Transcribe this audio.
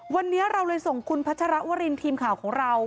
วันนี้เราเลยส่งคุณพัชรวรินทีมข่าวของเรา